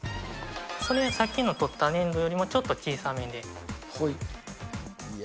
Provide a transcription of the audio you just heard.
それはさっきの取った粘土よりもちょっと小さめで。